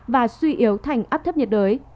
và suy yếu thành áp thấp nhiệt đới